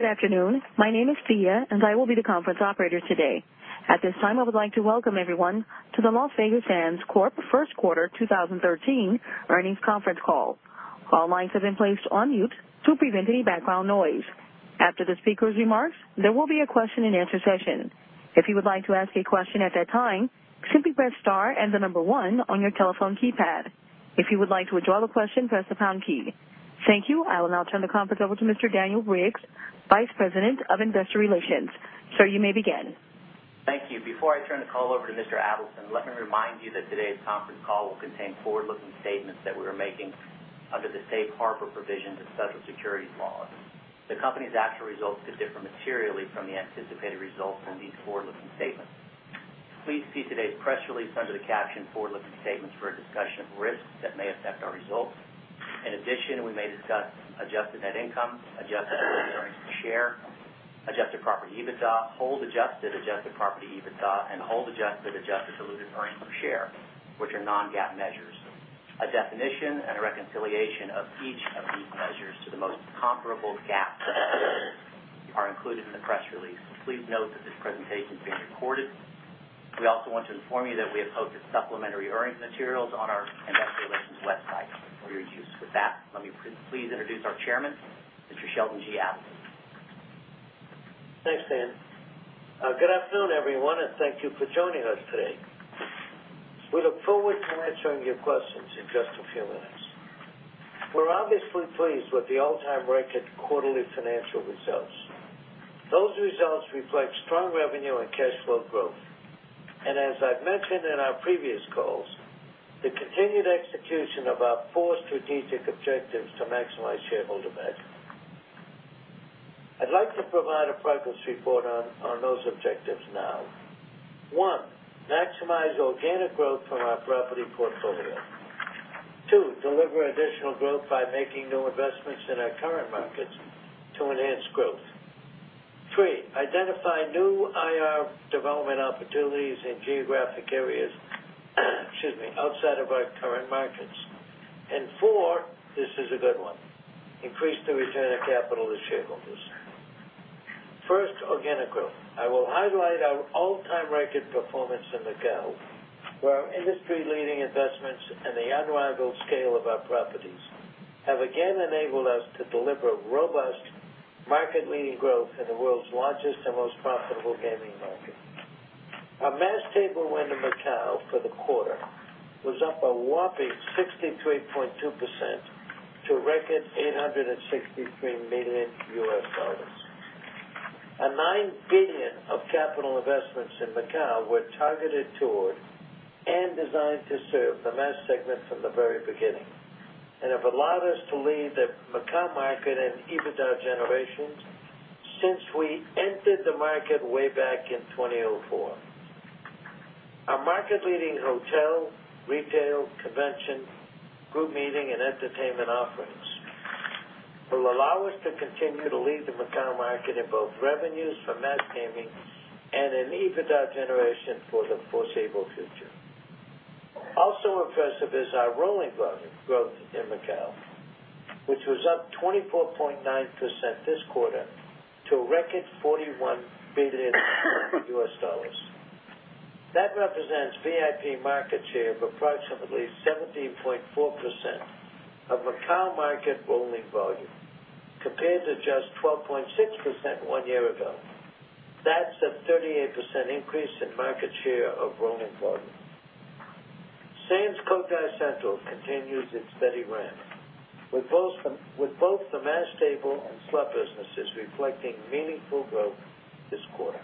Good afternoon. My name is Thea, and I will be the conference operator today. At this time, I would like to welcome everyone to the Las Vegas Sands Corp. First Quarter 2013 Earnings Conference Call. All lines have been placed on mute to prevent any background noise. After the speaker's remarks, there will be a question-and-answer session. If you would like to ask a question at that time, simply press star and the number 1 on your telephone keypad. If you would like to withdraw the question, press the pound key. Thank you. I will now turn the conference over to Mr. Daniel Briggs, Vice President of Investor Relations. Sir, you may begin. Thank you. Before I turn the call over to Mr. Adelson, let me remind you that today's conference call will contain forward-looking statements that we are making under the safe harbor provisions of federal securities laws. The company's actual results could differ materially from the anticipated results in these forward-looking statements. Please see today's press release under the caption forward-looking statements for a discussion of risks that may affect our results. In addition, we may discuss adjusted net income, adjusted earnings per share, adjusted property EBITDA, hold adjusted property EBITDA, and hold adjusted diluted earnings per share, which are non-GAAP measures. A definition and a reconciliation of each of these measures to the most comparable GAAP measures are included in the press release. Please note that this presentation is being recorded. We also want to inform you that we have posted supplementary earnings materials on our investor relations website for your use. With that, let me please introduce our chairman, Mr. Sheldon G. Adelson. Thanks, Dan. Good afternoon, everyone, and thank you for joining us today. We look forward to answering your questions in just a few minutes. We're obviously pleased with the all-time record quarterly financial results. Those results reflect strong revenue and cash flow growth. As I've mentioned in our previous calls, the continued execution of our four strategic objectives to maximize shareholder value. I'd like to provide a progress report on those objectives now. One, maximize organic growth from our property portfolio. Two, deliver additional growth by making new investments in our current markets to enhance growth. Three, identify new IR development opportunities in geographic areas outside of our current markets. Four, this is a good one, increase the return of capital to shareholders. First, organic growth. I will highlight our all-time record performance in Macau, where our industry-leading investments and the unrivaled scale of our properties have again enabled us to deliver robust, market-leading growth in the world's largest and most profitable gaming market. Our mass table win in Macau for the quarter was up a whopping 63.2% to a record $863 million. Our $9 billion of capital investments in Macau were targeted toward and designed to serve the mass segment from the very beginning and have allowed us to lead the Macau market in EBITDA generation since we entered the market way back in 2004. Our market-leading hotel, retail, convention, group meeting, and entertainment offerings will allow us to continue to lead the Macau market in both revenues for mass gaming and in EBITDA generation for the foreseeable future. Also impressive is our rolling growth in Macau, which was up 24.9% this quarter to a record $41 billion. That represents VIP market share of approximately 17.4% of Macau market rolling volume, compared to just 12.6% one year ago. That's a 38% increase in market share of rolling volume. Sands Cotai Central continues its steady run, with both the mass table and slot businesses reflecting meaningful growth this quarter.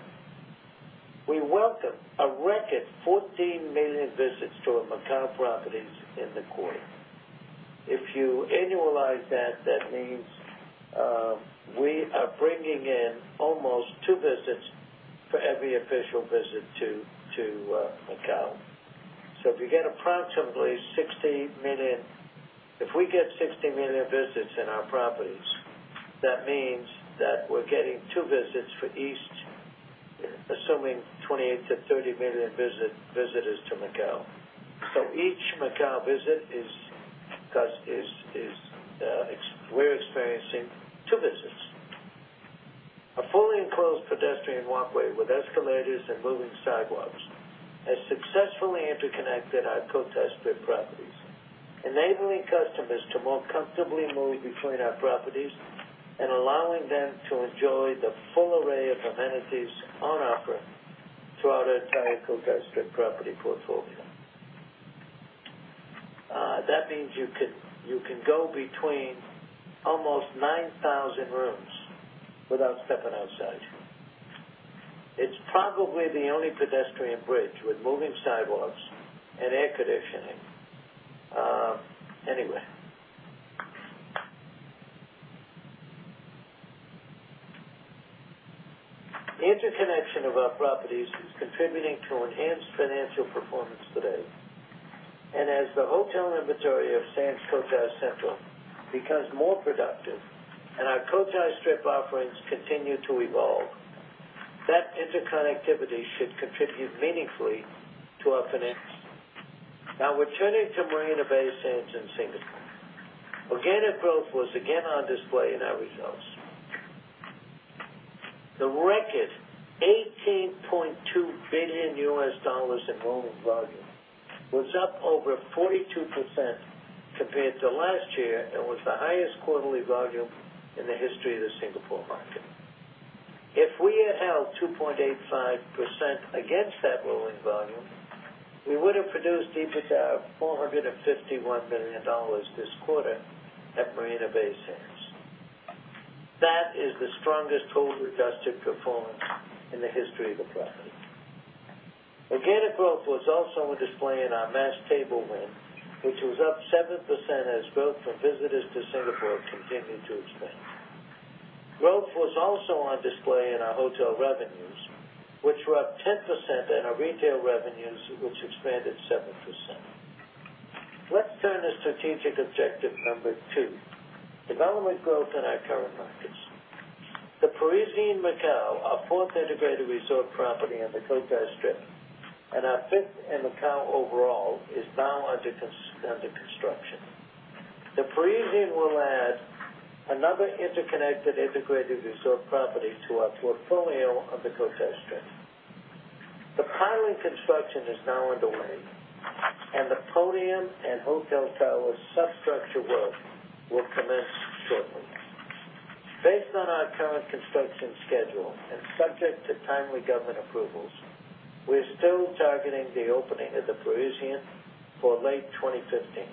We welcome a record 14 million visits to our Macau properties in the quarter. If you annualize that means we are bringing in almost two visits for every official visit to Macau. So if we get 60 million visits in our properties, that means that we're getting two visits for each, assuming 28 million to 30 million visitors to Macau. So each Macau visit, we're experiencing two visits. A fully enclosed pedestrian walkway with escalators and moving sidewalks has successfully interconnected our Cotai Strip properties, enabling customers to more comfortably move between our properties and allowing them to enjoy the full array of amenities on offer throughout our entire Cotai Strip property portfolio. That means you can go between almost 9,000 rooms without stepping outside. It's probably the only pedestrian bridge with moving sidewalks and air conditioning anywhere. The interconnection of our properties is contributing to enhanced financial performance today. As the hotel inventory of Sands Cotai Central becomes more productive and our Cotai Strip offerings continue to evolve, that interconnectivity should contribute meaningfully to our financial Now we're turning to Marina Bay Sands in Singapore. Organic growth was again on display in our results. The record $18.2 billion in rolling volume was up over 42% compared to last year, and was the highest quarterly volume in the history of the Singapore market. If we had held 2.85% against that rolling volume, we would have produced EBITDA of $451 million this quarter at Marina Bay Sands. That is the strongest total adjusted performance in the history of the property. Organic growth was also on display in our mass table win, which was up 7% as growth from visitors to Singapore continued to expand. Growth was also on display in our hotel revenues, which were up 10%, and our retail revenues, which expanded 7%. Let's turn to strategic objective number 2, development growth in our current markets. The Parisian Macao, our fourth integrated resort property on the Cotai Strip, and our fifth in Macao overall, is now under construction. The Parisian will add another interconnected integrated resort property to our portfolio on the Cotai Strip. The piling construction is now underway, and the podium and hotel tower substructure work will commence shortly. Based on our current construction schedule and subject to timely government approvals, we're still targeting the opening of The Parisian for late 2015.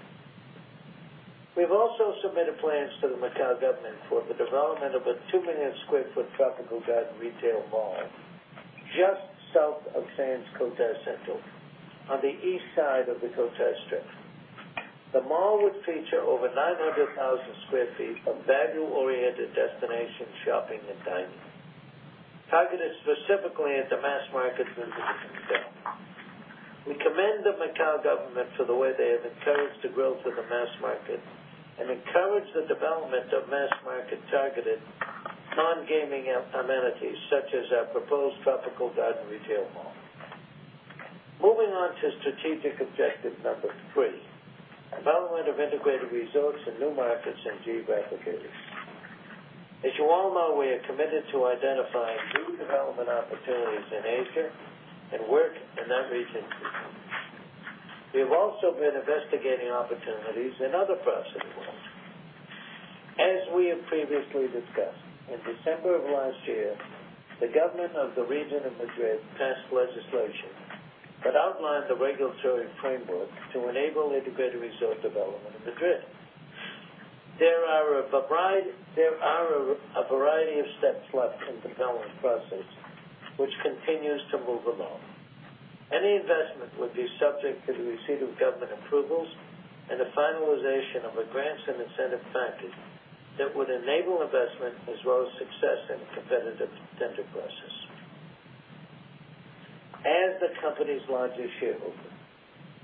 We've also submitted plans to the Macao government for the development of a 2 million square foot Tropical Garden retail mall just south of Sands Cotai Central on the east side of the Cotai Strip. The mall would feature over 900,000 square feet of value-oriented destination shopping and dining, targeted specifically at the mass-market visitor. We commend the Macao government for the way they have encouraged the growth of the mass market and encourage the development of mass-market targeted non-gaming amenities such as our proposed Tropical Garden retail mall. Moving on to strategic objective number 3, development of integrated resorts in new markets and geographic areas. At Johor Bahru, we are committed to identifying new development opportunities in Asia and work in that region too. We have also been investigating opportunities in other parts of the world. As we have previously discussed, in December of last year, the government of the region of Madrid passed legislation that outlined the regulatory framework to enable integrated resort development in Madrid. There are a variety of steps left in development process, which continues to move along. Any investment would be subject to the receipt of government approvals and the finalization of a grants and incentive package that would enable investment as well as success in a competitive tender process. As the company's largest shareholder,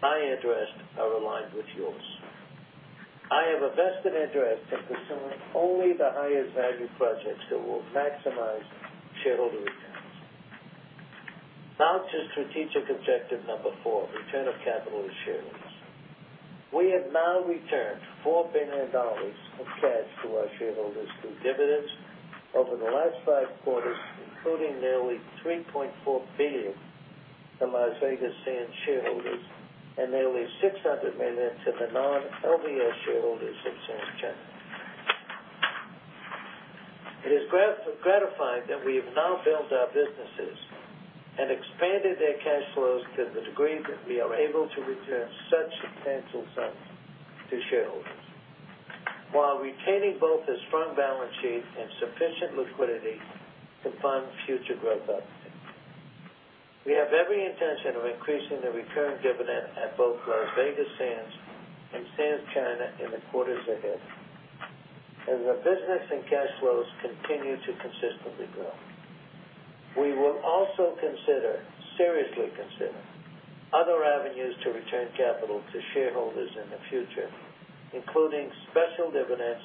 my interests are aligned with yours. I have a vested interest in pursuing only the highest value projects that will maximize shareholder returns. To strategic objective number 4, return of capital to shareholders. We have now returned $4 billion of cash to our shareholders through dividends over the last 5 quarters, including nearly $3.4 billion from Las Vegas Sands shareholders and nearly $600 million to the non-LVS shareholders of Sands China. It is gratifying that we have now built our businesses and expanded their cash flows to the degree that we are able to return such substantial sums to shareholders while retaining both a strong balance sheet and sufficient liquidity to fund future growth opportunities. We have every intention of increasing the return dividend at both Las Vegas Sands and Sands China in the quarters ahead as our business and cash flows continue to consistently grow. We will also seriously consider other avenues to return capital to shareholders in the future, including special dividends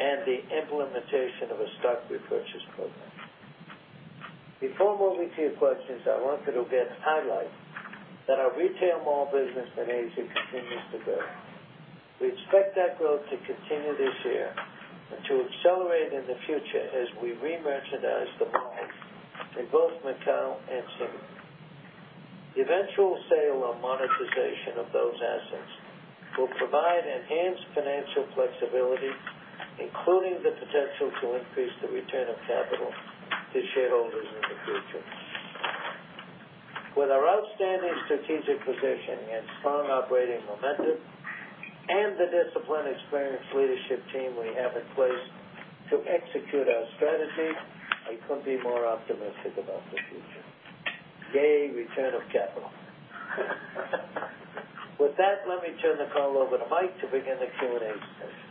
and the implementation of a stock repurchase program. Before moving to your questions, I want to again highlight that our retail mall business in Asia continues to grow. We expect that growth to continue this year and to accelerate in the future as we re-merchandise the malls in both Macao and Singapore. Eventual sale or monetization of those assets will provide enhanced financial flexibility, including the potential to increase the return of capital to shareholders in the future. With our outstanding strategic positioning and strong operating momentum and the disciplined, experienced leadership team we have in place to execute our strategy, I couldn't be more optimistic about the future. Yay, return of capital. Let me turn the call over to Mike to begin the Q&A session.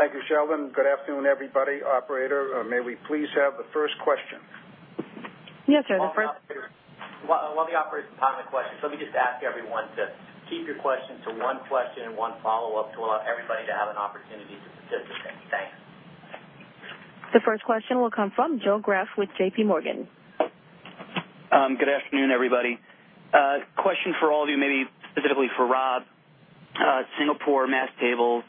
Thank you, Sheldon. Good afternoon, everybody. Operator, may we please have the first question? Yes, sir. The first While the operator is popping the question, let me just ask everyone to keep your questions to one question and one follow-up to allow everybody to have an opportunity to participate. Thanks. The first question will come from Joe Greff with J.P. Morgan. Good afternoon, everybody. Question for all of you, maybe specifically for Rob. Singapore mass tables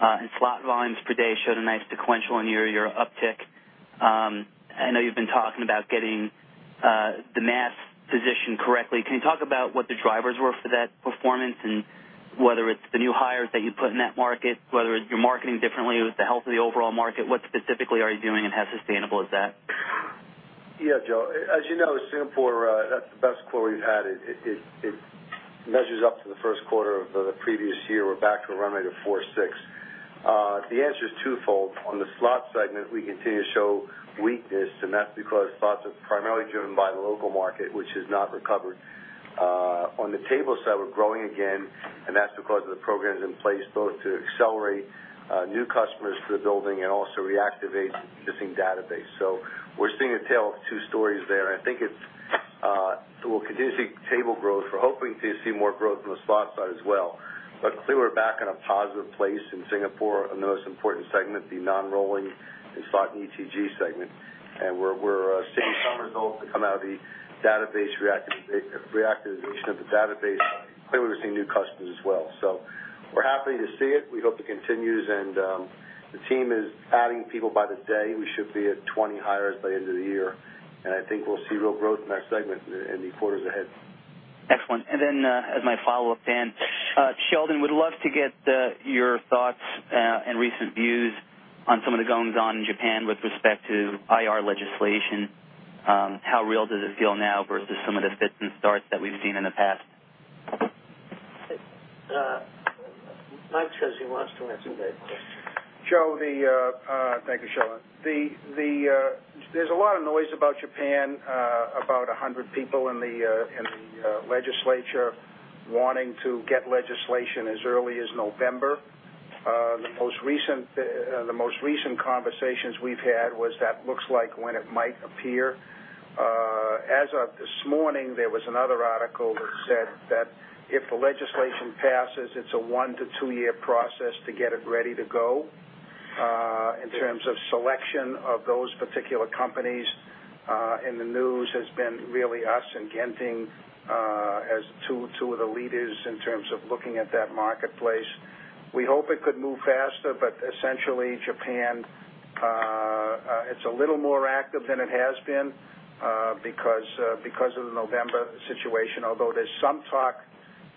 and slot volumes per day showed a nice sequential and year-over-year uptick. I know you've been talking about getting the mass positioned correctly. Can you talk about what the drivers were for that performance and whether it's the new hires that you put in that market, whether you're marketing differently with the health of the overall market? What specifically are you doing, and how sustainable is that? Yeah, Joe, as you know, Singapore, that's the best quarter we've had. It measures up to the first quarter of the previous year. We're back to a run rate of 4.6. The answer is twofold. On the slot segment, we continue to show weakness, and that's because slots are primarily driven by the local market, which has not recovered. On the table side, we're growing again, and that's because of the programs in place, both to accelerate new customers to the building and also reactivate the existing database. We're seeing a tale of two stories there, and I think we'll continue to see table growth. We're hoping to see more growth on the slot side as well. Clearly, we're back in a positive place in Singapore on the most important segment, the non-rolling and slot and ETG segment. We're seeing some results that come out of the reactivation of the database. Clearly, we're seeing new customers as well. We're happy to see it. We hope it continues, and the team is adding people by the day. We should be at 20 hires by the end of the year, and I think we'll see real growth in that segment in the quarters ahead. Excellent. As my follow-up then, Sheldon, would love to get your thoughts and recent views on some of the goings-on in Japan with respect to IR legislation. How real does it feel now versus some of the fits and starts that we've seen in the past? Mike says he wants to answer that question. Joe, thank you, Sheldon. There's a lot of noise about Japan, about 100 people in the legislature wanting to get legislation as early as November. The most recent conversations we've had was that looks like when it might appear. As of this morning, there was another article that said that if the legislation passes, it's a one to two-year process to get it ready to go. In terms of selection of those particular companies, and the news has been really us and Genting as two of the leaders in terms of looking at that marketplace. We hope it could move faster, but essentially Japan, it's a little more active than it has been because of the November situation. Although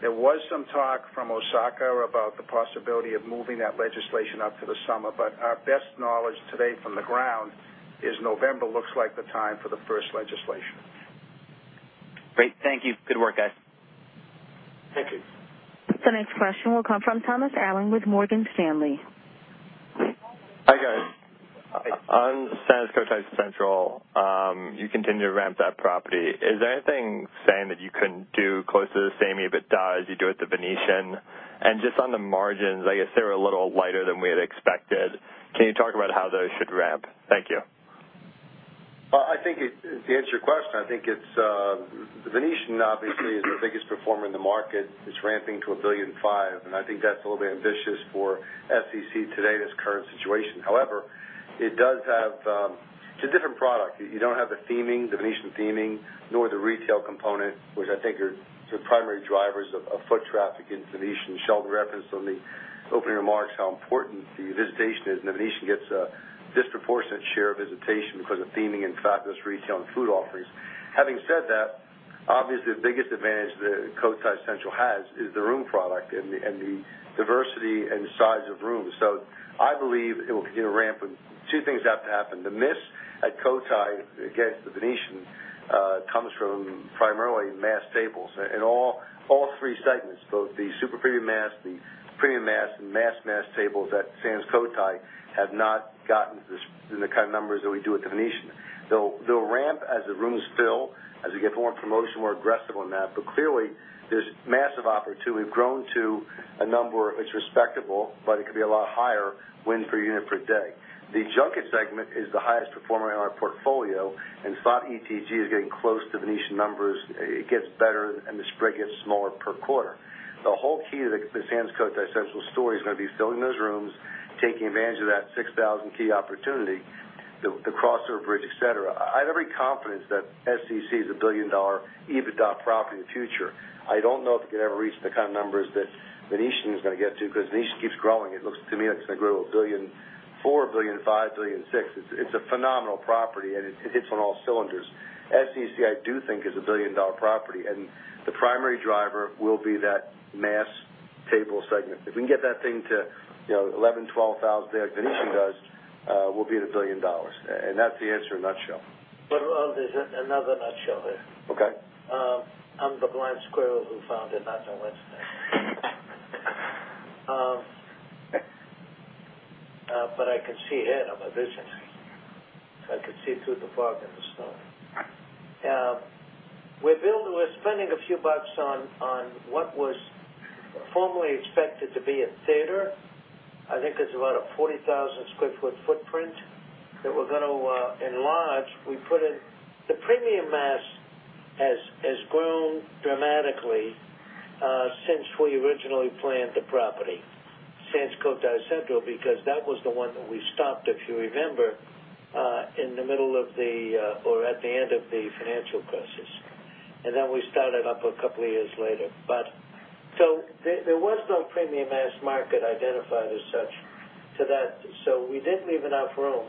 there was some talk from Osaka about the possibility of moving that legislation up to the summer. Our best knowledge to date from the ground is November looks like the time for the first legislation. Great. Thank you. Good work, guys. Thank you. The next question will come from Thomas Allen with Morgan Stanley. Hi, guys. Hi. On Sands Cotai Central, you continue to ramp that property. Is there anything saying that you couldn't do close to the same EBITDA as you do at The Venetian? Just on the margins, I guess they were a little lighter than we had expected. Can you talk about how those should ramp? Thank you. To answer your question, I think The Venetian obviously is the biggest performer in the market. It's ramping to $1.5 billion, and I think that's a little bit ambitious for SCL today in this current situation. However, it's a different product. You don't have the theming, The Venetian theming, nor the retail component, which I think are the primary drivers of foot traffic in The Venetian. Sheldon referenced on the opening remarks how important the visitation is, and The Venetian gets a disproportionate share of visitation because of theming and fabulous retail and food offerings. Having said that, obviously, the biggest advantage that Sands Cotai Central has is the room product and the diversity and size of rooms. I believe it will continue to ramp, and two things have to happen. The miss at Cotai against The Venetian comes from primarily mass tables. In all three segments, both the super premium mass, the premium mass, and mass mass tables at Sands Cotai Central have not gotten to the kind of numbers that we do at The Venetian. They'll ramp as the rooms fill, as we get more promotion, more aggressive on that. Clearly, there's massive opportunity. We've grown to a number. It's respectable, but it could be a lot higher win per unit per day. The junket segment is the highest performer in our portfolio, and slot ETG is getting close to The Venetian numbers. It gets better, and the spread gets smaller per quarter. The whole key to the Sands Cotai Central story is going to be filling those rooms, taking advantage of that 6,000-key opportunity, the crossover bridge, et cetera. I have every confidence that SCL is a $1 billion EBITDA property in the future. I don't know if it can ever reach the kind of numbers that The Venetian is going to get to because The Venetian keeps growing. It looks to me like it's going to grow to $1.4 billion, $1.5 billion, $1.6 billion. It's a phenomenal property, and it hits on all cylinders. SCL, I do think, is a $1 billion property, and the primary driver will be that mass table segment. If we can get that thing to 11,000, 12,000 there like The Venetian does, we'll be at $1 billion, and that's the answer in a nutshell. There's another nutshell there. Okay. I'm the blind squirrel who found the nutshell yesterday. I can see ahead. I'm a visionary. I can see through the fog and the snow. We're spending a few bucks on what was formerly expected to be a theater. I think it's about a 40,000 sq ft footprint that we're going to enlarge. We put in the premium mass the property, Sands Cotai Central, because that was the one that we stopped, if you remember, in the middle of the, or at the end of the financial crisis. We started up a couple of years later. There was no premium mass market identified as such to that. We didn't leave enough room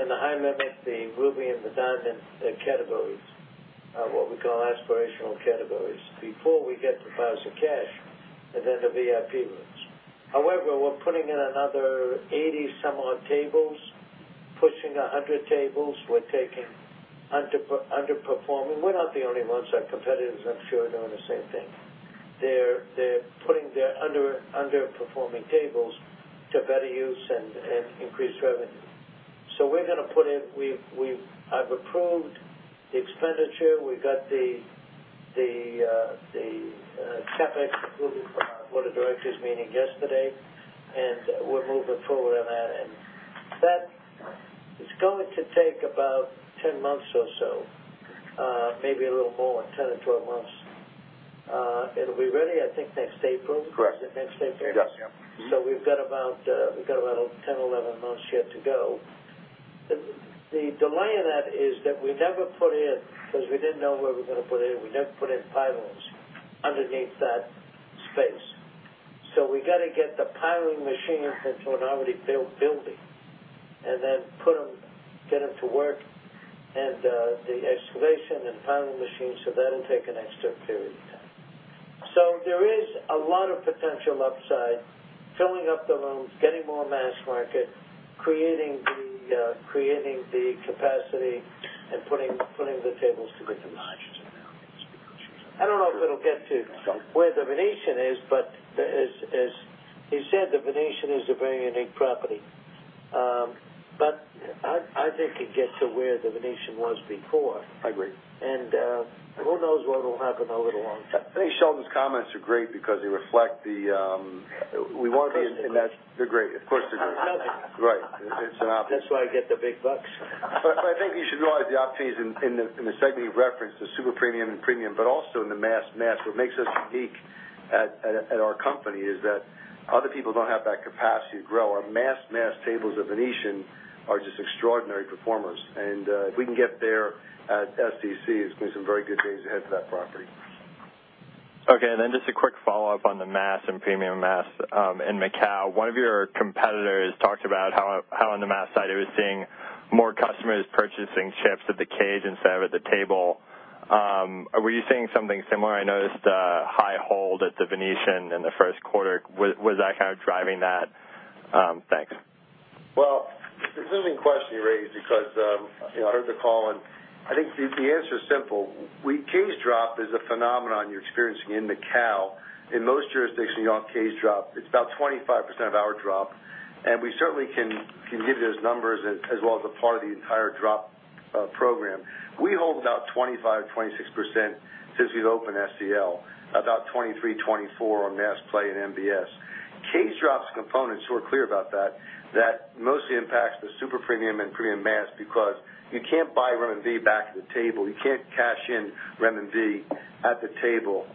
in the high limit, the Ruby, and the Diamond categories, what we call aspirational categories, before we get the Plaza cash and then the VIP rooms. We're putting in another 80 some odd tables, pushing 100 tables. We're taking underperforming. We're not the only ones. Our competitors, I'm sure, are doing the same thing. They're putting their underperforming tables to better use and increased revenue. I've approved the expenditure. We got the CapEx approval from our board of directors meeting yesterday, and we're moving forward on that. That is going to take about 10 months or so, maybe a little more, 10 to 12 months. It'll be ready, I think, next April. Correct. Is it next April? It does, yeah. We've got about 10, 11 months yet to go. The delay in that is that we never put in, because we didn't know where we were going to put in, we never put in pilings underneath that space. We got to get the piling machines into an already built building and then get them to work, and the excavation and piling machines, so that'll take an extra period of time. There is a lot of potential upside, filling up the rooms, getting more mass market, creating the capacity, and putting the tables to good use. I don't know if it'll get to where The Venetian is, but as you said, The Venetian is a very unique property. I think it gets to where The Venetian was before. I agree. Who knows what'll happen over the long term. I think Sheldon's comments are great because they reflect the- Of course they're great. They're great. Of course they're great. That's why I get the big bucks. I think you should realize the opportunities in the segment you referenced, the super premium and premium, but also in the mass, what makes us unique at our company is that other people don't have that capacity to grow. Our mass tables at The Venetian are just extraordinary performers. If we can get there at SCC, it's going to be some very good days ahead for that property. Okay. Just a quick follow-up on the mass and premium mass in Macao. One of your competitors talked about how on the mass side, he was seeing more customers purchasing chips at the cage instead of at the table. Were you seeing something similar? I noticed a high hold at The Venetian in the first quarter. Was that kind of driving that? Thanks. It's an interesting question you raise because, I heard the call, and I think the answer is simple. Cage drop is a phenomenon you're experiencing in Macao. In most jurisdictions, you don't have cage drop. It's about 25% of our drop, and we certainly can give you those numbers as well as a part of the entire drop program. We hold about 25%-26% since we've opened SCL, about 23%-24% on mass play in MBS. Cage drop is a component, so we're clear about that mostly impacts the super premium and premium mass because you can't buy renminbi back at the table. You can't cash in renminbi at the table.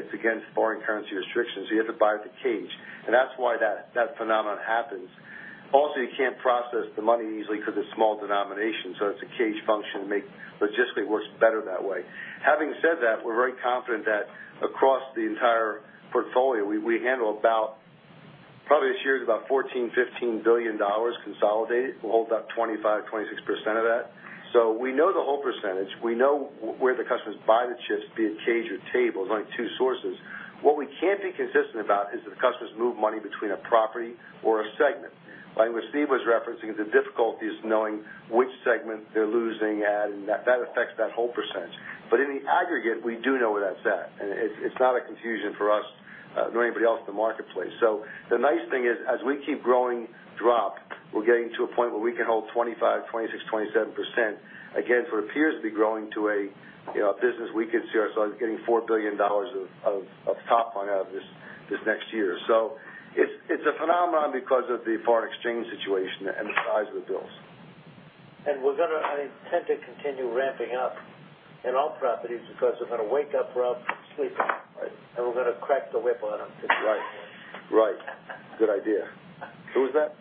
It's against foreign currency restrictions. You have to buy at the cage. That's why that phenomenon happens. You can't process the money easily because it's small denomination. It's a cage function, logistically works better that way. Having said that, we're very confident that across the entire portfolio, we handle about, probably this year it's about $14 billion-$15 billion consolidated. We'll hold about 25%-26% of that. We know the hold percentage. We know where the customers buy the chips, be it cage or tables, only two sources. What we can't be consistent about is if the customers move money between a property or a segment, like what Steve was referencing, the difficulties knowing which segment they're losing at. That affects that hold percentage. In the aggregate, we do know where that's at, and it's not a confusion for us nor anybody else in the marketplace. The nice thing is, as we keep growing drop, we're getting to a point where we can hold 25%, 26%, 27%, again, for what appears to be growing to a business we could see ourselves getting $4 billion of top line out of this next year. It's a phenomenon because of the foreign exchange situation and the size of the bills. I intend to continue ramping up in all properties because we're going to wake up Rob sleeping. Right. We're going to crack the whip on him. Right. Good idea. Who was that?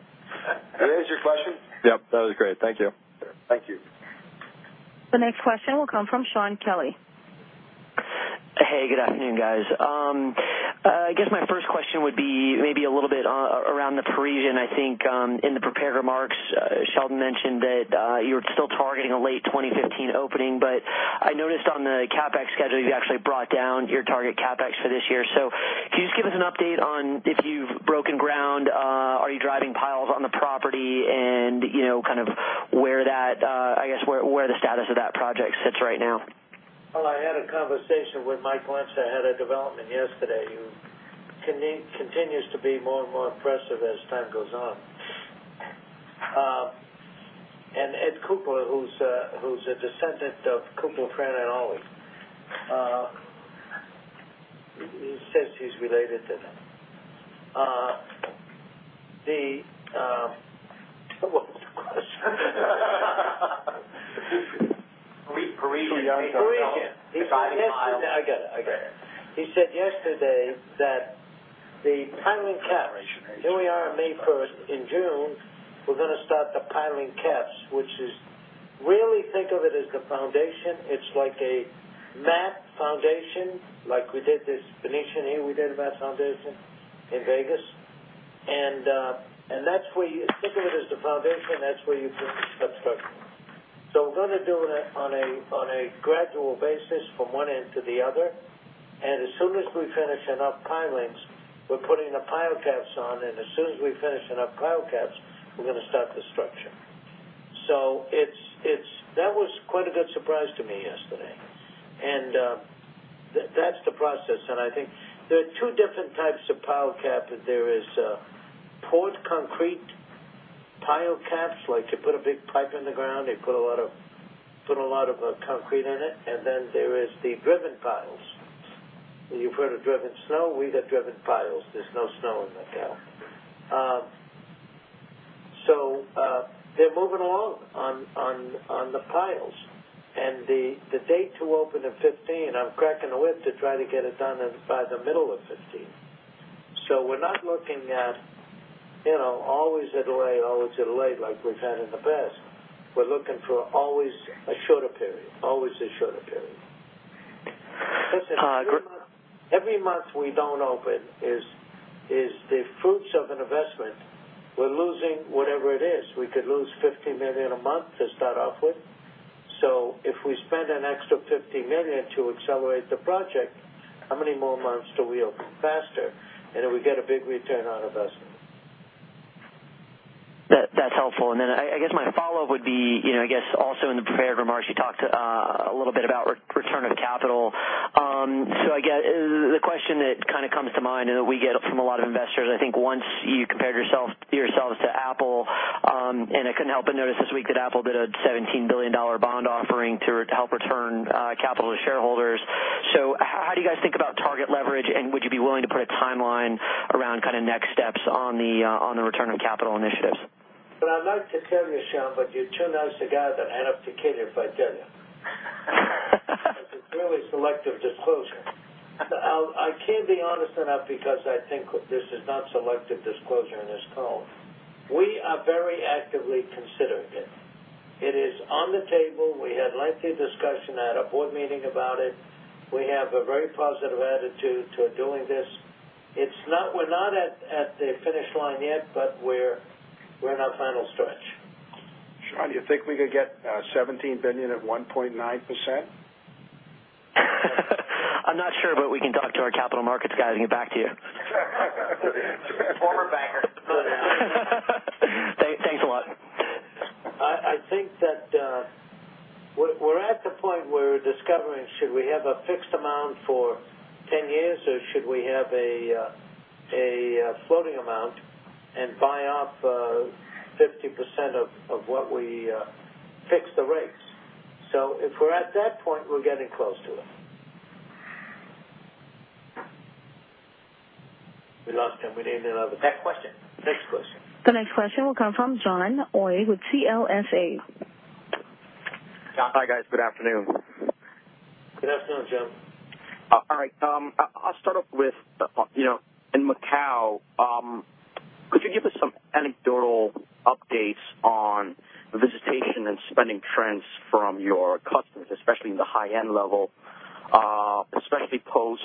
Did I answer your question? Yep. That was great. Thank you. Thank you. The next question will come from Shaun Kelley. Hey, good afternoon, guys. I guess my first question would be maybe a little bit around The Parisian. I think in the prepared remarks, Sheldon mentioned that you're still targeting a late 2015 opening, but I noticed on the CapEx schedule, you actually brought down your target CapEx for this year. Can you just give us an update on if you've broken ground? Are you driving piles on the property and kind of where the status of that project sits right now? Well, I had a conversation with Mike Lentz, the head of development, yesterday, who continues to be more and more impressive as time goes on. Ed Cooper, who's a descendant of Kukla, Fran and Ollie. He says he's related to them. He said yesterday that the piling caps. Here we are on May 1st. In June, we're going to start the piling caps, which is, really think of it as the foundation. It's like a mat foundation, like we did this Venetian here, we did a mat foundation in Vegas. Think of it as the foundation. That's where you put the structure. We're going to do it on a gradual basis from one end to the other. As soon as we finish enough pilings, we're putting the pile caps on, and as soon as we finish enough pile caps, we're going to start the structure. That was quite a good surprise to me yesterday. That's the process. I think there are two different types of pile caps. There is poured concrete pile caps, like you put a big pipe in the ground, you put a lot of concrete in it, then there is the driven piles. You've heard of driven snow, we got driven piles. There's no snow in Macau. They're moving along on the piles. The date to open in 2015, I'm cracking the whip to try to get it done by the middle of 2015. We're not looking at always at a delay like we've had in the past. We're looking for always a shorter period. Every month we don't open is the fruits of an investment. We're losing whatever it is. We could lose $50 million a month to start off with. If we spend an extra $50 million to accelerate the project, how many more months do we open faster, we get a big return on investment. That's helpful. I guess my follow-up would be, I guess also in the prepared remarks, you talked a little bit about return of capital. I guess the question that comes to mind and that we get from a lot of investors, I think once you compared yourselves to Apple, I couldn't help but notice this week that Apple did a $17 billion bond offering to help return capital to shareholders. How do you guys think about target leverage, would you be willing to put a timeline around next steps on the return on capital initiatives? I'd like to tell you, Shaun, you're too nice a guy that I'd have to kill you if I tell you. It's a fairly selective disclosure. I can be honest enough because I think this is not selective disclosure on this call. We are very actively considering it. It is on the table. We had lengthy discussion at our board meeting about it. We have a very positive attitude to doing this. We're not at the finish line yet, we're in our final stretch. Shaun, do you think we could get $17 billion at 1.9%? I'm not sure, we can talk to our capital markets guy and get back to you. Former banker. Thanks a lot. I think that we're at the point where we're discovering should we have a fixed amount for 10 years or should we have a floating amount and buy up 50% of what we fix the rates. If we're at that point, we're getting close to it. We lost him. We need Next question. The next question will come from John Choi with CLSA. John, hi, guys. Good afternoon. Good afternoon, John. All right. I'll start off with, in Macau, could you give us some anecdotal updates on visitation and spending trends from your customers, especially in the high-end level, especially post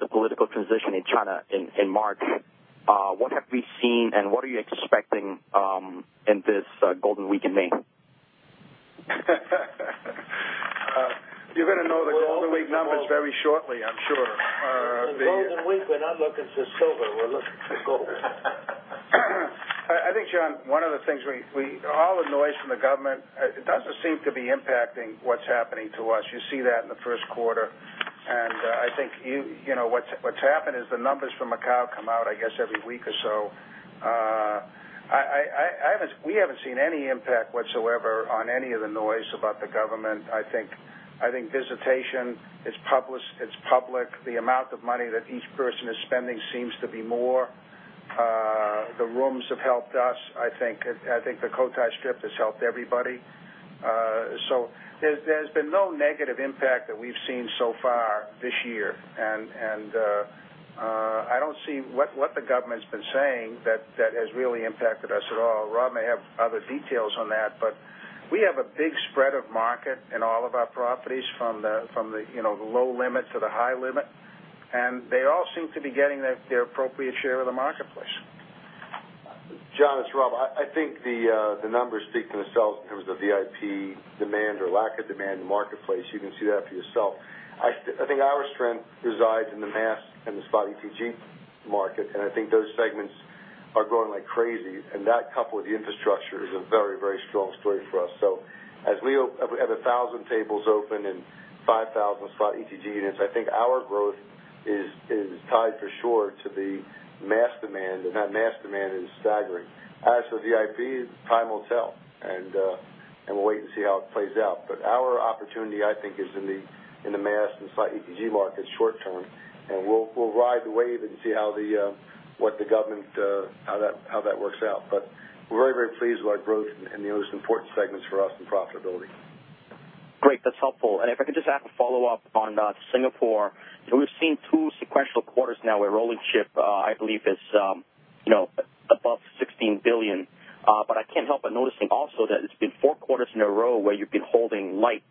the political transition in China in March? What have we seen, and what are you expecting in this Golden Week in May? You're going to know the Golden Week numbers very shortly, I'm sure. In Golden Week, we're not looking for silver. We're looking for gold. I think, John, one of the things, all the noise from the government, it doesn't seem to be impacting what's happening to us. You see that in the first quarter. I think what's happened is the numbers from Macau come out, I guess, every week or so. We haven't seen any impact whatsoever on any of the noise about the government. I think visitation, it's public. The amount of money that each person is spending seems to be more. The rooms have helped us. I think the Cotai Strip has helped everybody. There's been no negative impact that we've seen so far this year, and I don't see what the government's been saying that has really impacted us at all. Rob may have other details on that. We have a big spread of market in all of our properties from the low limit to the high limit, and they all seem to be getting their appropriate share of the marketplace. John, it's Rob. I think the numbers speak for themselves in terms of VIP demand or lack of demand in the marketplace. You can see that for yourself. I think our strength resides in the mass and the slot ETG market, and I think those segments are growing like crazy, and that, coupled with the infrastructure, is a very, very strong story for us. As we have 1,000 tables open and 5,000 slot ETG units, I think our growth is tied for sure to the mass demand, and that mass demand is staggering. As for VIP, time will tell, and we'll wait to see how it plays out. Our opportunity, I think, is in the mass and slot ETG markets short-term, and we'll ride the wave and see what the government, how that works out. We're very, very pleased with our growth in those important segments for us and profitability. Great. That's helpful. If I could just ask a follow-up on Singapore. We've seen two sequential quarters now where rolling chip, I believe, is above 16 billion. I can't help but noticing also that it's been four quarters in a row where you've been holding light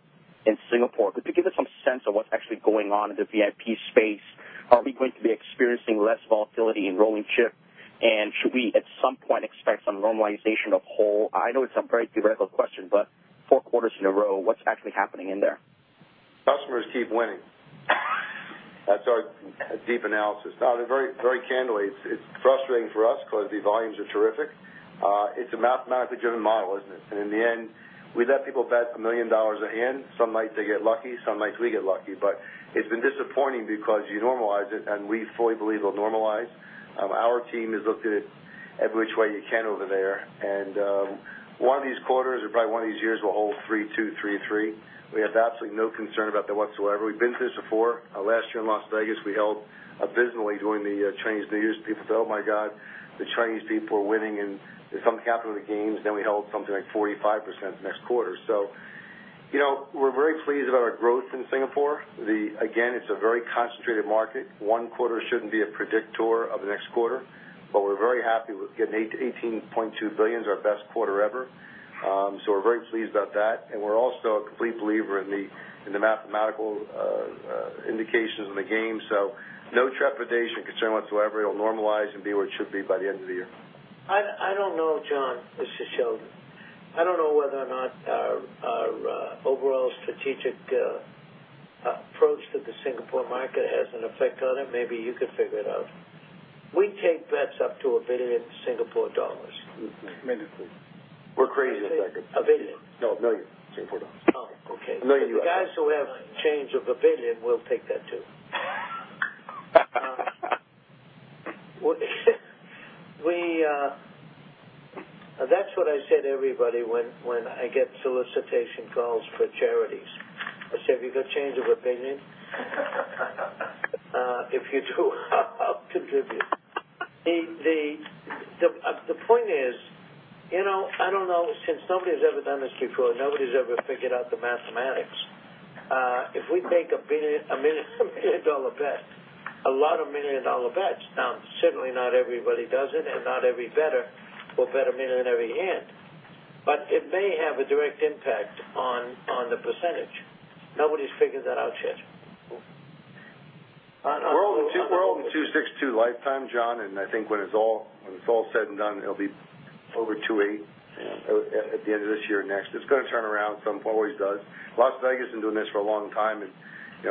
in Singapore. Could you give us some sense of what's actually going on in the VIP space? Are we going to be experiencing less volatility in rolling chip? Should we, at some point, expect some normalization of hold? I know it's a very theoretical question, but four quarters in a row, what's actually happening in there? Customers keep winning. That's our deep analysis. Very candidly, it's frustrating for us because the volumes are terrific. It's a mathematically driven model, isn't it? In the end, we let people bet $1 million a hand. Some nights they get lucky, some nights we get lucky. It's been disappointing because you normalize it, and we fully believe it'll normalize. Our team has looked at it every which way you can over there, and one of these quarters or probably one of these years will hold 3.2%, 3.3%. We have absolutely no concern about that whatsoever. We've been through this before. Last year in Las Vegas, we held abysmally during the Chinese New Year. People said, "Oh my God. The Chinese people are winning in some capital of the games." We held something like 45% the next quarter. We're very pleased about our growth in Singapore. Again, it's a very concentrated market. One quarter shouldn't be a predictor of the next quarter. We're very happy with getting 18.2 billion, our best quarter ever. We're very pleased about that. We're also a complete believer in the mathematical indications of the game. No trepidation or concern whatsoever. It'll normalize and be what it should be by the end of the year. I don't know, John. This is Sheldon. I don't know whether or not our overall strategic approach to the Singapore market has an effect on it. Maybe you could figure it out. We take bets up to 1 billion Singapore dollars. We're crazy. $1 billion. No, 1 million Singapore dollars. Oh, okay. $1 million. Guys who have change of $1 billion, we will take that, too. That is what I said to everybody when I get solicitation calls for charities. I say, "Have you got change of opinion?" If you do, I will contribute. The point is, I don't know, since nobody has ever done this before, nobody has ever figured out the mathematics. If we take a $1 million bet, a lot of $1 million bets. Certainly not everybody does it, and not every bettor will bet $1 million every hand. It may have a direct impact on the percentage. Nobody has figured that out yet. We are holding 262 lifetime, John, and I think when it is all said and done, it will be over 280 at the end of this year or next. It is going to turn around some, it always does. Las Vegas has been doing this for a long time, and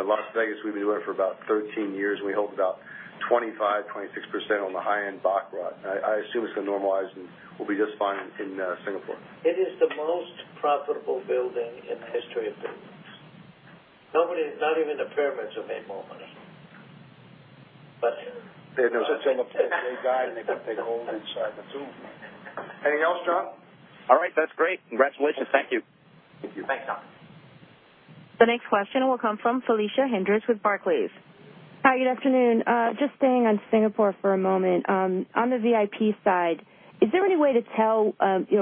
Las Vegas we have been doing it for about 13 years, and we held about 25%-26% on the high-end baccarat. I assume it's going to normalize and we will be just fine in Singapore. It is the most profitable building in the history of buildings. Not even the pyramids have made more money. They have got to take a hold inside the tomb. Anything else, John? All right. That's great. Congratulations. Thank you. Thank you. Thanks, John. The next question will come from Felicia Hendrix with Barclays. Hi, good afternoon. Just staying on Singapore for a moment. On the VIP side, is there any way to tell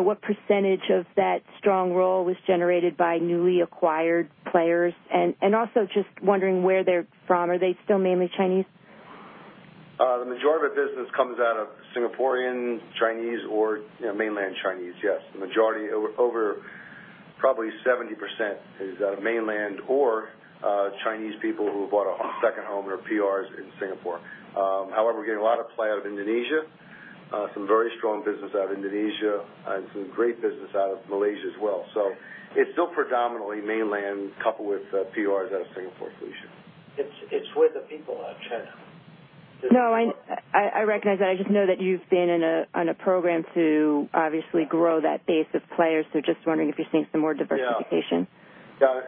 what % of that strong roll was generated by newly acquired players? Also just wondering where they're from. Are they still mainly Chinese? The majority of our business comes out of Singaporean Chinese or mainland Chinese, yes. The majority, over probably 70%, is out of mainland or Chinese people who have bought a second home and are PRs in Singapore. However, we're getting a lot of play out of Indonesia. Some very strong business out of Indonesia and some great business out of Malaysia as well. It's still predominantly mainland coupled with PRs out of Singapore, Felicia. It's where the people are, China. No, I recognize that. I just know that you've been on a program to obviously grow that base of players. Just wondering if you're seeing some more diversification. Yeah.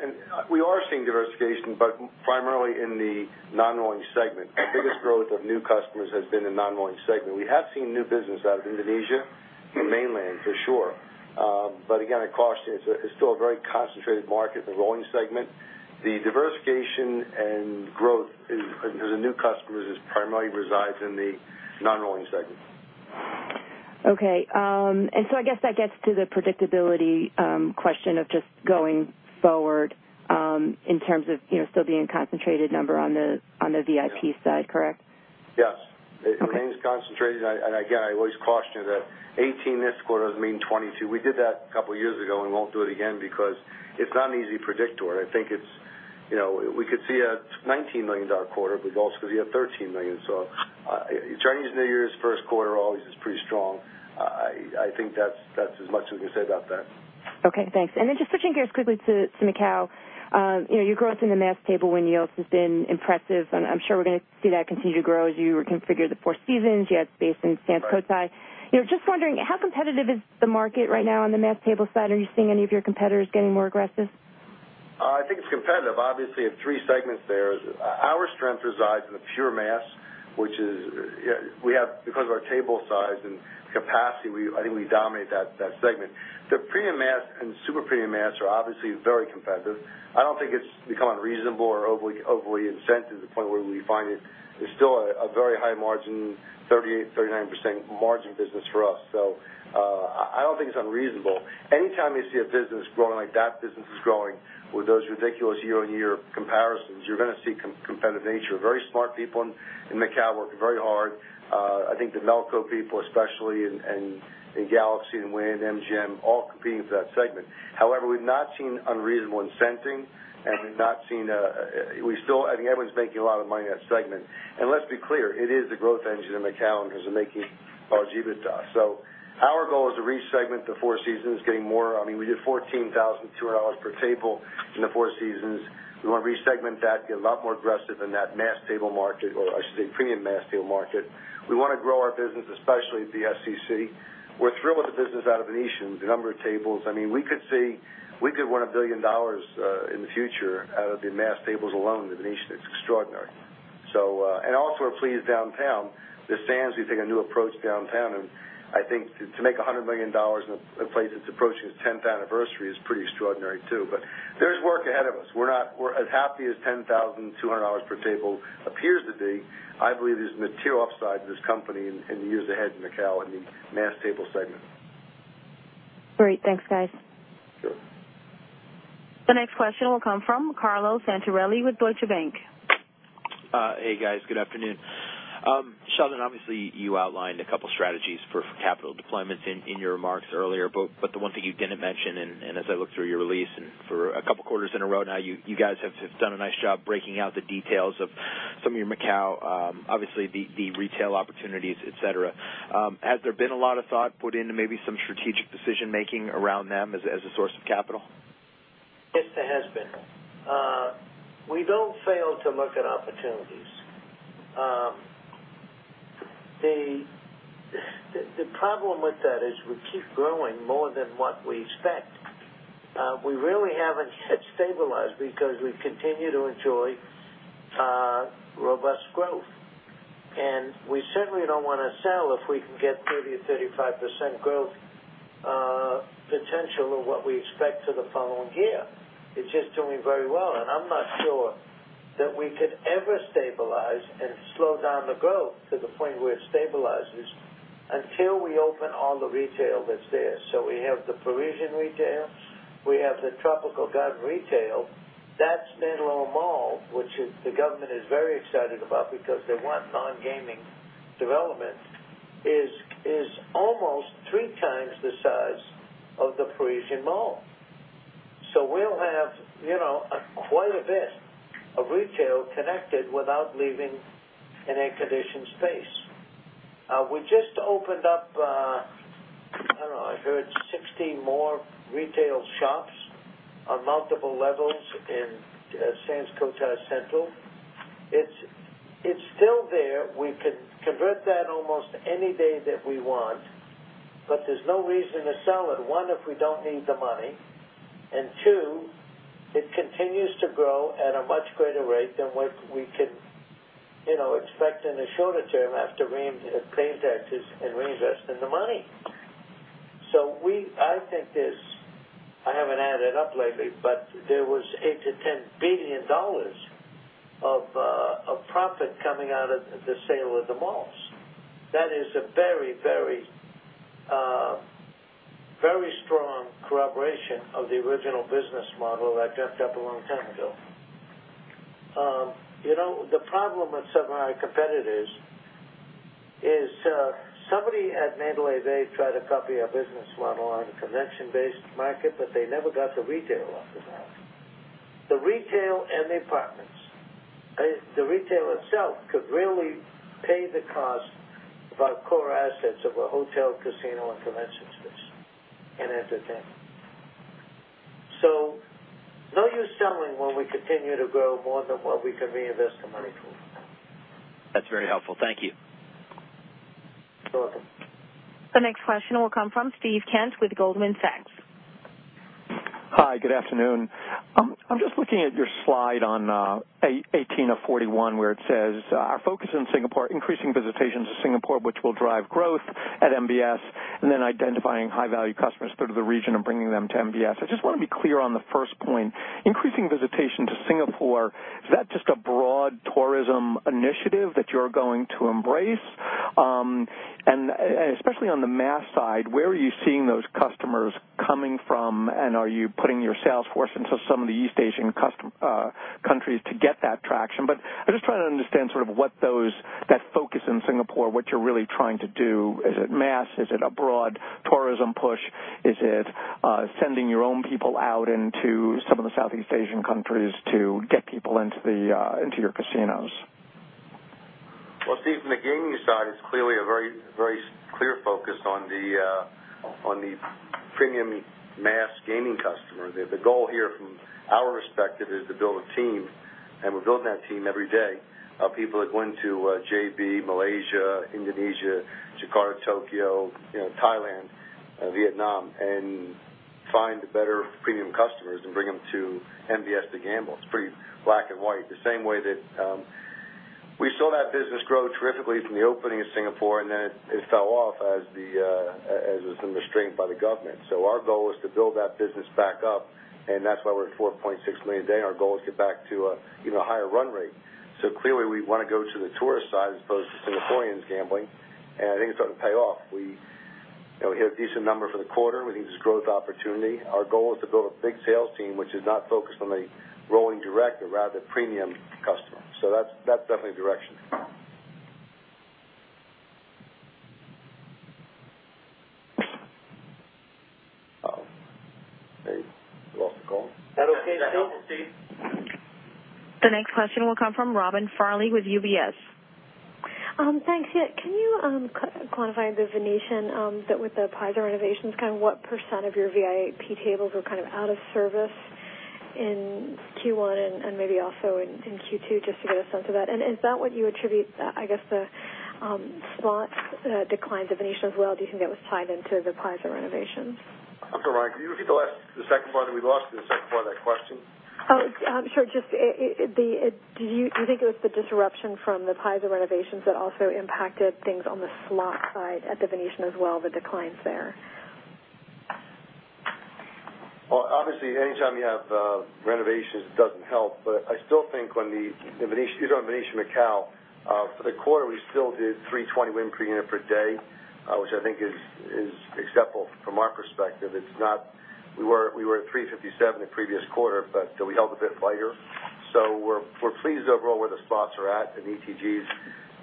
We are seeing diversification, but primarily in the non-rolling segment. Our biggest growth of new customers has been in non-rolling segment. We have seen new business out of Indonesia and mainland for sure. Again, I caution it's still a very concentrated market in the rolling segment. The diversification and growth into the new customers primarily resides in the non-rolling segment. Okay. I guess that gets to the predictability question of just going forward in terms of still being a concentrated number on the VIP side, correct? Yes. Okay. It remains concentrated, again, I always caution you that 18 this quarter doesn't mean 22. We did that a couple of years ago, won't do it again because it's not an easy predictor. I think we could see a $19 million quarter, but we could also see a $13 million. Chinese New Year's first quarter always is pretty strong. I think that's as much as we can say about that. Okay, thanks. Just switching gears quickly to Macao. Your growth in the mass table win yields has been impressive, and I'm sure we're going to see that continue to grow as you reconfigure the Four Seasons, you add space in Sands Cotai. Just wondering, how competitive is the market right now on the mass table side? Are you seeing any of your competitors getting more aggressive? I think it's competitive. Obviously, you have three segments there. Our strength resides in the pure mass, which, because of our table size and capacity, I think we dominate that segment. The premium mass and super premium mass are obviously very competitive. I don't think it's become unreasonable or overly incented to the point where we find it is still a very high margin, 38%-39% margin business for us. I don't think it's unreasonable. Anytime you see a business growing like that business is growing with those ridiculous year-on-year comparisons, you're going to see competitive nature. Very smart people in Macau working very hard. I think the Melco people, especially in Galaxy and Wynn, MGM, all competing for that segment. However, we've not seen unreasonable incenting. I think everyone's making a lot of money on that segment. Let's be clear, it is a growth engine in Macau in terms of making our EBITDA. Our goal is to re-segment the Four Seasons, getting more. We did $14,200 per table in the Four Seasons. We want to re-segment that, get a lot more aggressive in that mass table market, or I should say, premium mass table market. We want to grow our business, especially at the SCL. We're thrilled with the business out of Venetian, the number of tables. We could win $1 billion in the future out of the mass tables alone at the Venetian. It's extraordinary. We're pleased downtown. The Sands, we've taken a new approach downtown, and I think to make $100 million in a place that's approaching its 10th anniversary is pretty extraordinary, too. There's work ahead of us. As happy as $10,200 per table appears to be, I believe there's material upside to this company in years ahead in Macau in the mass table segment. Great. Thanks, guys. Sure. The next question will come from Carlo Santarelli with Deutsche Bank. Hey, guys. Good afternoon. Sheldon, obviously, you outlined a couple strategies for capital deployment in your remarks earlier, but the one thing you didn't mention, and as I look through your release, and for a couple quarters in a row now, you guys have done a nice job breaking out the details of some of your Macau, obviously, the retail opportunities, et cetera. Has there been a lot of thought put into maybe some strategic decision-making around them as a source of capital? Yes, there has been. We don't fail to look at opportunities. The problem with that is we keep growing more than what we expect. We really haven't yet stabilized because we continue to enjoy robust growth. We certainly don't want to sell if we can get 30%-35% growth potential of what we expect for the following year. It's just doing very well, and I'm not sure that we could ever stabilize and slow down the growth to the point where it stabilizes until we open all the retail that's there. We have the Parisian retail, we have the Tropical Garden retail. That middle mall, which the government is very excited about because they want non-gaming development, is almost three times the size of the Parisian mall. We'll have quite a bit of retail connected without leaving an air-conditioned space. We just opened up, I heard, 16 more retail shops on multiple levels in Sands Cotai Central. It's still there. We can convert that almost any day that we want, but there's no reason to sell it. One, if we don't need the money, and two, it continues to grow at a much greater rate than what we can expect in the shorter term after paying taxes and reinvesting the money. I haven't added up lately, but there was $8 billion-$10 billion of profit coming out of the sale of the malls. That is a very strong corroboration of the original business model I dreamt up a long time ago. The problem with some of our competitors is somebody at Mandalay Bay tried to copy our business model on a convention-based market, but they never got the retail off the ground. The retail and the apartments. The retail itself could really pay the cost of our core assets of a hotel, casino, and convention space and entertainment. No use selling when we continue to grow more than what we can reinvest the money to. That's very helpful. Thank you. You're welcome. The next question will come from Steven Kent with Goldman Sachs. Hi, good afternoon. I'm just looking at your slide on 18 of 41 where it says, "Our focus in Singapore, increasing visitations to Singapore, which will drive growth at MBS, and then identifying high-value customers through to the region and bringing them to MBS." I just want to be clear on the first point. Increasing visitation to Singapore, is that just a broad tourism initiative that you're going to embrace? And especially on the mass side, where are you seeing those customers coming from, and are you putting your sales force into some of the East Asian countries to get that traction? But I'm just trying to understand that focus in Singapore, what you're really trying to do. Is it mass? Is it a broad tourism push? Is it sending your own people out into some of the Southeast Asian countries to get people into your casinos? Well, Steve, from the gaming side, it's clearly a very clear focus on the premium mass gaming customer. The goal here from our perspective is to build a team. We're building that team every day of people that went to JB, Malaysia, Indonesia, Jakarta, Tokyo, Thailand Vietnam and find the better premium customers and bring them to MBS to gamble. It's pretty black and white, the same way that we saw that business grow terrifically from the opening of Singapore. Then it fell off as it was restrained by the government. Our goal is to build that business back up. That's why we're at $4.6 million a day. Our goal is to get back to a higher run rate. Clearly, we want to go to the tourist side as opposed to Singaporeans gambling. I think it's starting to pay off. We hit a decent number for the quarter. We think there's growth opportunity. Our goal is to build a big sales team, which is not focused on the rolling direct but rather premium customers. That's definitely the direction. Uh-oh. I think we lost the call. That was Steve. The next question will come from Robin Farley with UBS. Thanks. Yeah. Can you quantify the Venetian, that with the Paiza renovations, what percent of your VIP tables were out of service in Q1 and maybe also in Q2, just to get a sense of that? Is that what you attribute the slots declines at Venetian as well? Do you think that was tied into the Paiza renovations? Dr. Robin, could you repeat the second part that we lost, the second part of that question? Sure. Do you think it was the disruption from the Paiza renovations that also impacted things on the slot side at the Venetian as well, the declines there? Obviously, any time you have renovations, it doesn't help. I still think when The Venetian Macao, for the quarter, we still did $320 win per unit per day, which I think is acceptable from our perspective. We were at $357 the previous quarter, but we held a bit lighter. We're pleased overall where the slots are at and ETGs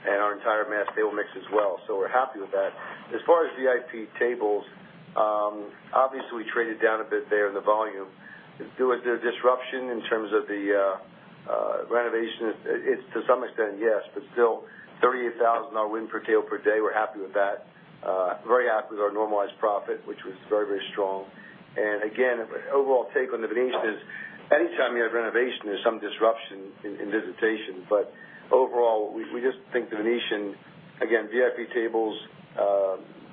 and our entire mass table mix as well. We're happy with that. As far as VIP tables, obviously we traded down a bit there in the volume. Due to disruption in terms of the renovation, it's to some extent, yes. Still, $38,000 win per table per day, we're happy with that. Very happy with our normalized profit, which was very strong. Again, overall take on The Venetian is any time you have renovation, there's some disruption in visitation. Overall, we just think The Venetian, again, VIP tables,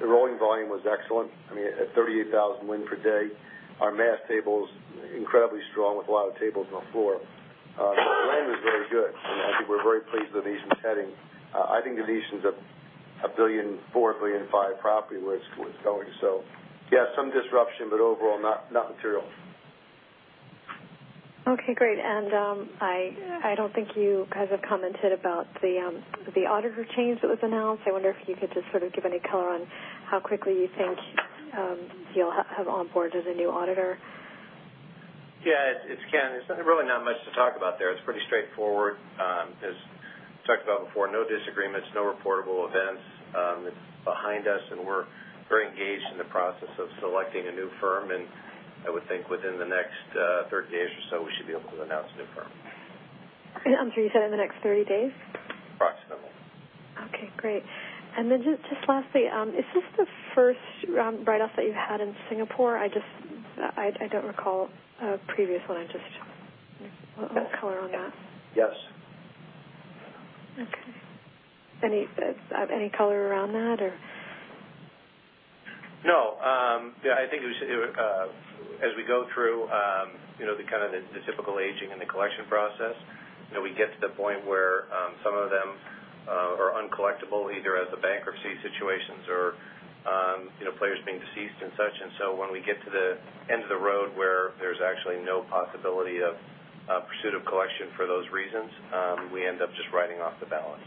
the rolling volume was excellent. I mean, at $38,000 win per day, our mass tables incredibly strong with a lot of tables on the floor. The land is very good. I think we're very pleased with The Venetian's heading. I think The Venetian's a $4 billion, $5 billion property where it's going. Yes, some disruption, but overall, not material. Okay, great. I don't think you guys have commented about the auditor change that was announced. I wonder if you could just give any color on how quickly you think you'll have on board as a new auditor. Yeah, it's Ken. There's really not much to talk about there. It's pretty straightforward. As we talked about before, no disagreements, no reportable events. It's behind us, and we're very engaged in the process of selecting a new firm. I would think within the next 30 days or so, we should be able to announce a new firm. I'm sorry, you said in the next 30 days? Approximately. Okay, great. Just lastly, is this the first write-offs that you had in Singapore? I don't recall a previous one. Just a little color on that. Yes. Okay. Any color around that or? No. Yeah, I think as we go through the typical aging and the collection process, we get to the point where some of them are uncollectible, either as a bankruptcy situations or players being deceased and such. When we get to the end of the road where there's actually no possibility of pursuit of collection for those reasons, we end up just writing off the balance.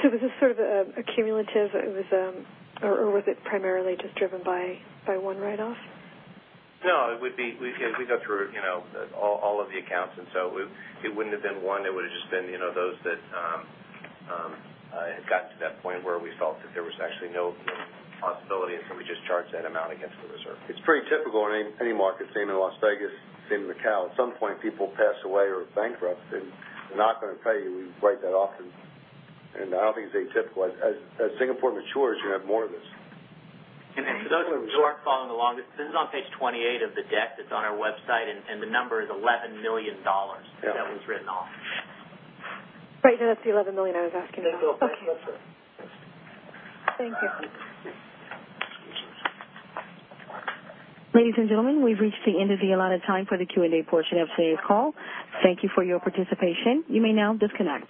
was this sort of cumulative, or was it primarily just driven by one write-off? No. We go through all of the accounts, it wouldn't have been one. It would've just been those that had gotten to that point where we felt that there was actually no possibility, we just charged that amount against the reserve. It's pretty typical in any market, same in Las Vegas, same in Macao. At some point, people pass away or bankrupt, and they're not going to pay you. We write that off, and I don't think it's atypical. As Singapore matures, you're going to have more of this. For those who are following along, this is on page 28 of the deck that's on our website, and the number is $11 million that was written off. Right. No, that's the $11 million I was asking about. Okay. That's it. Thank you. Ladies and gentlemen, we've reached the end of the allotted time for the Q&A portion of today's call. Thank you for your participation. You may now disconnect.